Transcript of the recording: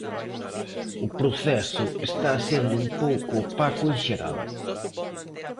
O proceso está sendo un pouco opaco en xeral.